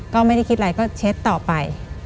ก็ไม่ได้คิดอะไรก็เช็ดต่อไป